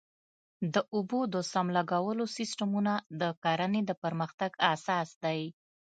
د اوبو د سم لګولو سیستمونه د کرنې د پرمختګ اساس دی.